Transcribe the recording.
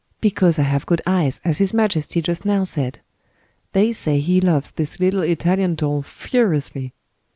Because I have good eyes, as his majesty just now said. They say he loves this little Italian doll furiously.